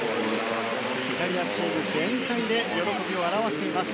イタリアチーム全体で喜びを表しています。